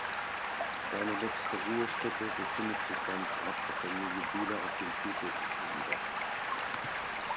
Seine letzte Ruhestätte befindet sich beim Grab der Familie Bühler auf dem Friedhof Rosenberg.